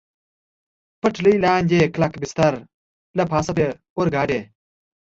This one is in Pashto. پټلۍ لاندې کلک بستر، له پاسه پرې د اورګاډي.